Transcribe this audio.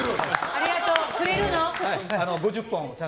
ありがとう、くれるの？